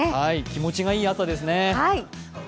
気持ちがいい朝ですね。